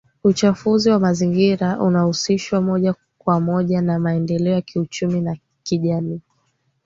Uchafuzi wa mazingira unahusishwa moja kwa moja na maendeleo ya kiuchumi na kijamii